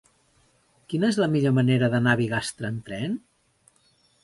Quina és la millor manera d'anar a Bigastre amb tren?